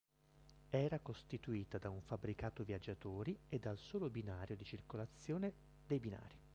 Era costituita da un fabbricato viaggiatori e dal solo binario di circolazione dei binari.